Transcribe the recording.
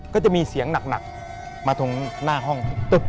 ก็จะมีเสียงหนักมาตรงหน้าห้อง